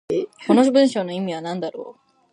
この文章の意味は何だろう。